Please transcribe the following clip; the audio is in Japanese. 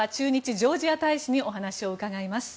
ジョージア大使にお話を伺います。